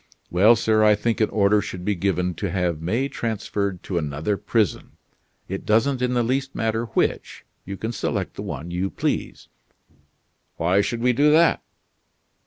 "Well, sir, I think an order should be given to have May transferred to another prison. It doesn't in the least matter which; you can select the one you please." "Why should we do that?"